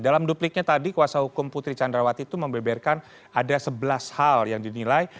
dalam dupliknya tadi kuasa hukum putri candrawati itu membeberkan ada sebelas hal yang dinilai